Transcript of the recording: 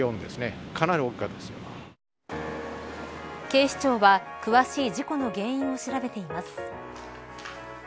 警視庁は詳しい事故の様子を事故の原因を調べています。